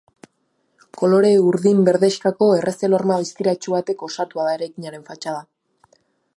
Kolore urdin-berdexkako errezel-horma distiratsu batek osatua da eraikinaren fatxada.